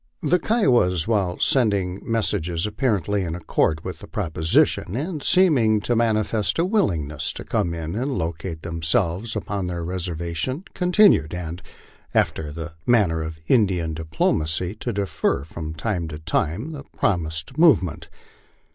The Kiowas, while sending messages apparently in accord with the propo sition, and seeming to manifest a willingness to come in and locate themselves upon their reservation, continued, after the manner of Indian diplomacy, to defer from time to time the promised movement.